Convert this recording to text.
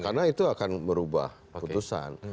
karena itu akan merubah putusan